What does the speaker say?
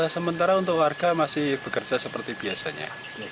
sementara untuk warga masih bekerja seperti biasanya